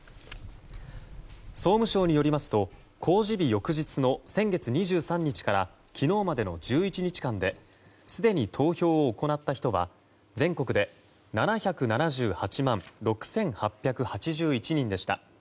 総務省によりますと公示日翌日の先月２３日から昨日までの１１日間ですでに投票を行った人は全国で７７８万６８８１人でした。